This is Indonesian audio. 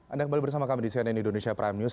anda kembali bersama kami di cnn indonesia prime news